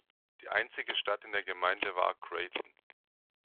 Die einzige Stadt in der Gemeinde war Creighton.